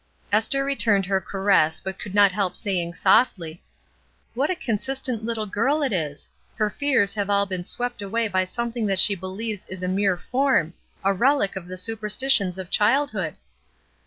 Esther returned her caress, but could not help saying softly :—" What a consistent little girl it is ! her fears have all been swept away by something that she believes is a mere form; a relic of the super stitions of childhood."